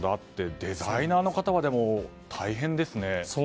デザイナーの方は大変ですね。